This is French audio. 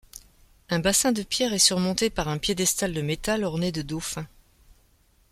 Un bassin de pierre est surmonté par un piédestal de métal orné de dauphins.